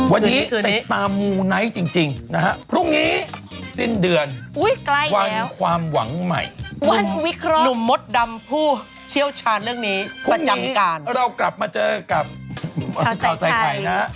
คุณนี้เรากลับมาเจอกับข่าวใส่ไข่นะ